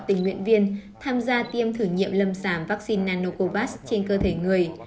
tình nguyện viên tham gia tiêm thử nhiệm lâm sảm vaccine nanocovax trên cơ thể người